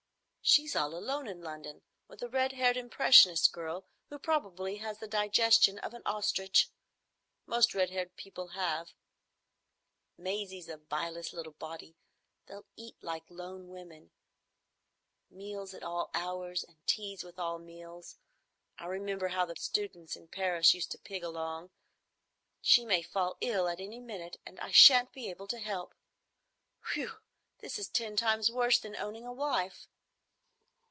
"She's all alone in London, with a red haired impressionist girl, who probably has the digestion of an ostrich. Most red haired people have. Maisie's a bilious little body. They'll eat like lone women,—meals at all hours, and tea with all meals. I remember how the students in Paris used to pig along. She may fall ill at any minute, and I shan't be able to help. Whew! this is ten times worse than owning a wife."